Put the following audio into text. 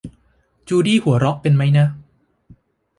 จูดี้หัวเราะเป็นมั้ยนะ